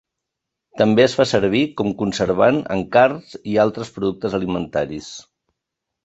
També es fa servir com conservant en carns i altres productes alimentaris.